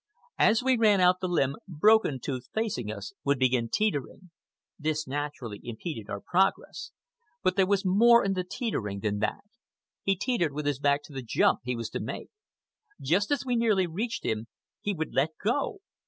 As we ran out the limb, Broken Tooth, facing us, would begin teetering. This naturally impeded our progress; but there was more in the teetering than that. He teetered with his back to the jump he was to make. Just as we nearly reached him he would let go.